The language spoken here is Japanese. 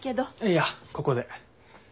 いやここで。